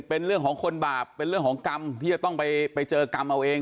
เป็นเรื่องของคนบาปเป็นเรื่องของกรรมที่จะต้องไปเจอกรรมเอาเอง